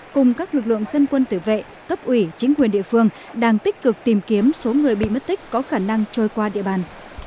cùng các lực lượng dân quân tử vệ cấp ủy chính quyền địa phương đang tích cực tìm kiếm số người bị mất tích có khả năng trôi qua địa bàn